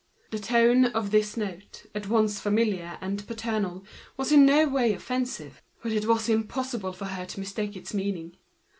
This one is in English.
The tone of this note, at once familiar and paternal, was in no way offensive; but it was impossible for her to mistake its meaning.